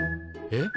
えっ？